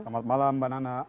selamat malam mbak nana